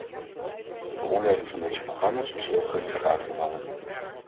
De beoordeling van deze programma’s is heel gunstig uitgevallen.